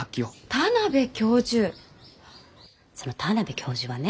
その田邊教授はね